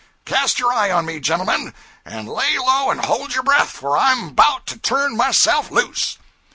Cast your eye on me, gentlemen! and lay low and hold your breath, for I'm bout to turn myself loose!'